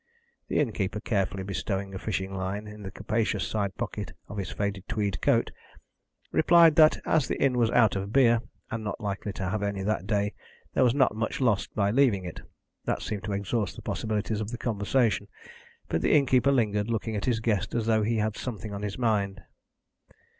The innkeeper, carefully bestowing a fishing line in the capacious side pocket of his faded tweed coat, replied that as the inn was out of beer, and not likely to have any that day, there was not much lost by leaving it. That seemed to exhaust the possibilities of the conversation, but the innkeeper lingered, looking at his guest as though he had something on his mind.